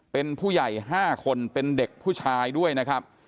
เป็นผู้ใหญ่๕คนเป็นเด็กผู้ชายด้วยนะครับ